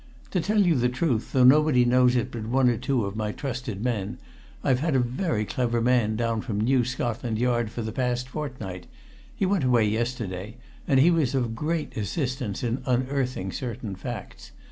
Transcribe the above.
To tell you the truth, though nobody knows it but one or two of my trusted men, I've had a very clever man down from New Scotland Yard for the past fortnight he went away yesterday and he was of great assistance in unearthing certain facts.